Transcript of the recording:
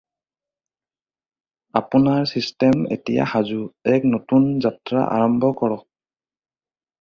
আপোনাৰ ছিষ্টেম এতিয়া সাজু! এক নতুন যাত্ৰা আৰম্ভ কৰক!